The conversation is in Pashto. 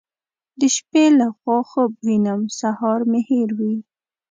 د شپې له خوا خوب وینم سهار مې هېروي.